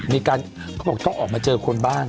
มีการเขาบอกต้องออกมาเจอคนบ้าน